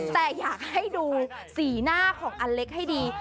แต่อยากให้ดูสีหน้าของอเล็กให้ดี